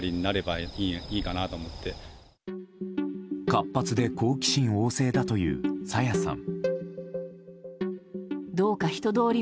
活発で好奇心旺盛だという朝芽さん。